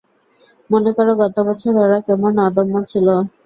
মনে করো গত বছর ওরা কেমন অদম্য ছিলো।